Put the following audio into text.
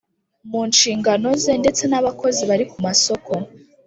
mu nshingano ze ndetse n Abakozi bari kumasoko